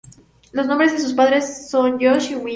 Los nombres de sus padres son Josh y Mindy.